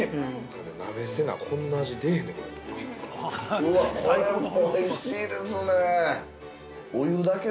◆鍋せな、こんな味、出えへんねんけど。